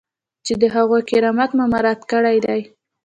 چې د هغوی کرامت مو مراعات کړی دی.